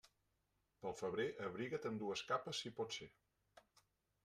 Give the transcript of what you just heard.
Pel febrer, abriga't amb dues capes si pot ser.